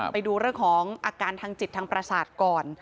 ไปดูเรื่องของอาการทางจิตทางประสาทก่อน